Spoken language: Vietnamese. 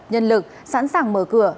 nhân lực sẵn sàng mở cửa